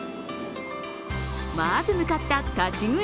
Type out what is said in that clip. まず向かった立ち食い